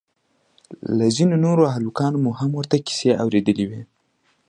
له ځينو نورو هلکانو مو هم ورته کيسې اورېدلې وې.